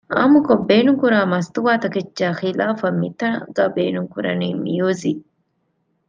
ޢާއްމުކޮށް ބޭނުންކުރާ މަސްތުވާ ތަކެއްޗާ ޚިލާފަށް މިތާނގައި ބޭނުން ކުރަނީ މިޔުޒިއް